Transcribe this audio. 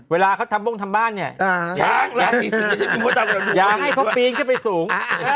เวลาเค้าทำบ้านเถอะอยากให้เค้าปีนไปสูง